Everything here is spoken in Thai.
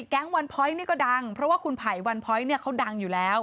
แก๊งวันพ้อยนี่ก็ดังเพราะว่าคุณไผ่วันพ้อยเนี่ยเขาดังอยู่แล้ว